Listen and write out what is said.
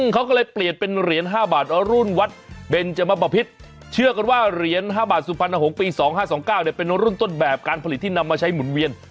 เขาก็เลยเปลี่ยนเป็นเหรียญ๕บาทรุ่นวัดเบนจมบพิษเชื่อกันว่าเหรียญ๕บาทสุพรรณหงษ์ปี๒๕๒๙เป็นรุ่นต้นแบบการผลิตที่นำมาใช้หมุนเวียน